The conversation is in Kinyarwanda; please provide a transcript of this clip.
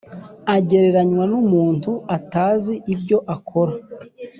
agereranywa n umuntu atazi ibyo akora